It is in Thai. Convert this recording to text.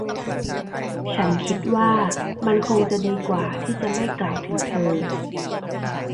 ฉันคิดว่ามันคงจะดีกว่าที่จะไม่กล่าวถึงเธอ